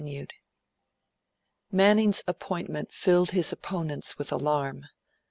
VI MANNING'S appointment filled his opponents with alarm.